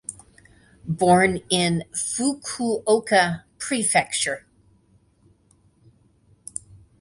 Born in Fukuoka prefecture.